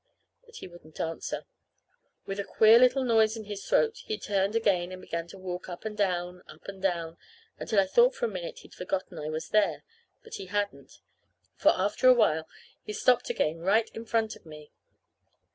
But he wouldn't answer. With a queer little noise in his throat he turned again and began to walk up and down, up and down, until I thought for a minute he'd forgotten I was there. But he hadn't. For after a while he stopped again right in front of me.